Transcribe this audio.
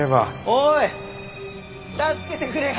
おーい助けてくれ。